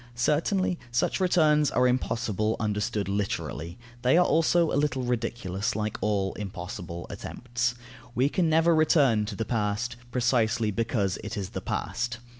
Certainly, such returns are impossible, understood literally; they are also a little ridiculous, like all impossible attempts. We can never return to the past, precisely because it is the past.